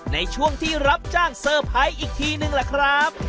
ในช่วงที่รับจ้างเซอร์ไพรส์อีกทีนึงล่ะครับ